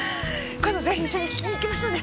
今度ぜひ一緒に聴きに行きましょうね！